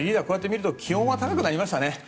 こうやって見ると気温が高くなりましたね。